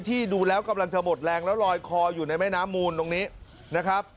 ดูแล้วกำลังจะหมดแรงแล้วลอยคออยู่ในแม่น้ำมูลตรงนี้นะครับ